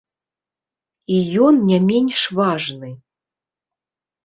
І ён не менш важны.